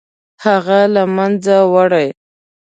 هغه له منځه وړي.